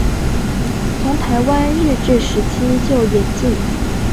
从台湾日治时期就引进。